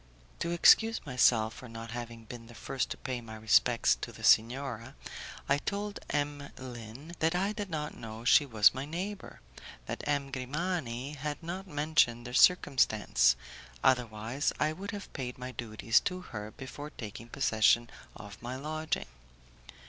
To excuse myself for not having been the first to pay my respects to the signora, I told M. Lin that I did not know she was my neighbour, that M. Grimani had not mentioned the circumstance, otherwise I would have paid my duties to her before taking possession of my lodging.